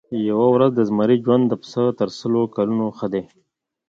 یوه ورځ د زمري ژوند د پسه تر سلو کلونو ښه دی.